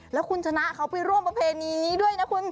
แล้วคุณชนะเขาไปร่วมประเพณีนี้ด้วยนะคุณ